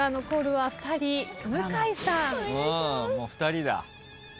もう２人だ。